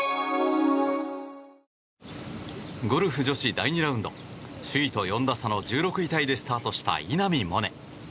ゴルフ女子第２ラウンド首位と４打差の１６位タイでスタートした稲見萌寧。